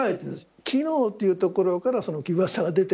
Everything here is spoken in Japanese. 機能っていうところからその奇抜さが出てるから。